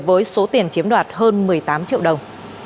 với số tiền chiếm đoạt hơn một mươi tám triệu đồng